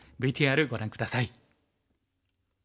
ＶＴＲご覧下さい。